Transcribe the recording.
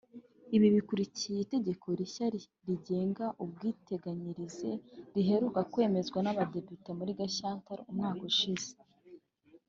Ibi bikurikiye itegeko rishya rigenga ubwiteganyirize riheruka kwemezwa n’abadepite muri Gashyantare umwaka ushize